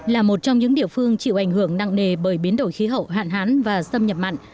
là một trong những địa phương chịu ảnh hưởng nặng nề bởi biến đổi khí hậu hạn hán và xâm nhập mặn